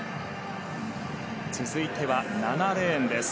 続いては７レーンです。